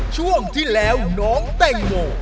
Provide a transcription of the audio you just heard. ช่วงที่แล้วน้องแตงโม